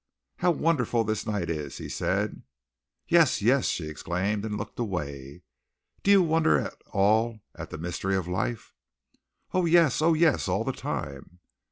"How wonderful this night is!" he said. "Yes, yes!" she exclaimed, and looked away. "Do you wonder at all at the mystery of life?" "Oh, yes; oh, yes! All the time."